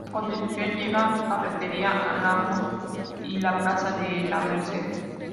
A continuación llegan Carretería, Álamos y la Plaza de la Merced.